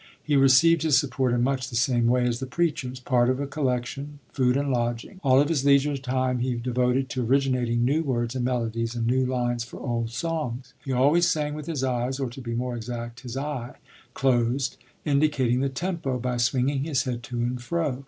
He received his support in much the same way as the preachers part of a collection, food and lodging. All of his leisure time he devoted to originating new words and melodies and new lines for old songs. He always sang with his eyes or, to be more exact, his eye closed, indicating the tempo by swinging his head to and fro.